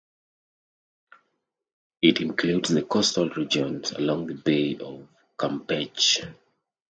It includes the coastal regions along the Bay of Campeche.